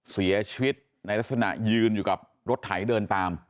เสียชีวิตในลักษณะยืนอยู่กับรถไถเดินตาม